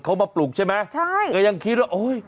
ก็เลยหลับนี่เลย